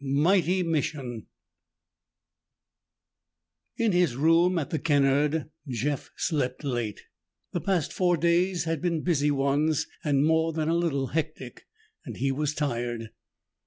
9. MIGHTY MISSION In his room at the Kennard, Jeff slept late. The past four days had been busy ones, and more than a little hectic, and he was tired.